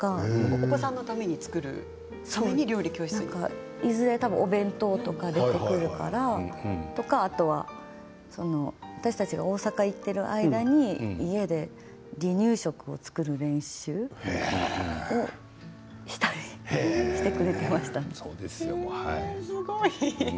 お子さんのために作るためにいずれお弁当が出てくるから私たちが大阪に行っている間に家で離乳食を作る練習をしたりしているようです。